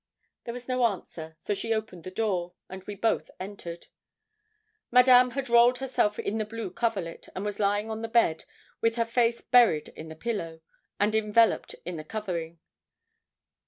There was no answer; so she opened the door, and we both entered. Madame had rolled herself in the blue coverlet, and was lying on the bed, with her face buried in the pillow, and enveloped in the covering.